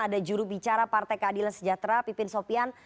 ada juru bicara partai keadilan sejahtera pipin sopian